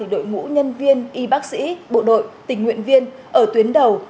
đội ngũ nhân viên y bác sĩ bộ đội tình nguyện viên ở tuyến đầu